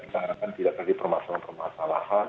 kita tidak lagi permasalahan permasalahan